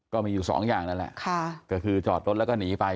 ก็มีอยู่สองอย่างนั่นแหละค่ะก็คือจอดรถแล้วก็หนีไป